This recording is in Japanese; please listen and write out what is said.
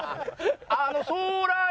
「あの空へ」